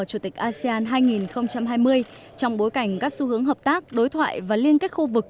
chủ tịch asean hai nghìn hai mươi trong bối cảnh các xu hướng hợp tác đối thoại và liên kết khu vực